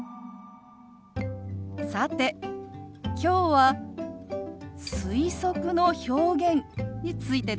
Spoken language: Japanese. さてきょうは推測の表現についてです。